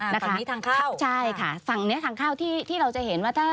ทางนี้ทางเข้าใช่ค่ะทางนี้ทางเข้าที่เราจะเห็นว่า